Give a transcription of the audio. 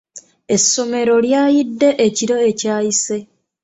Essomero lyayidde ekiro ekyayise.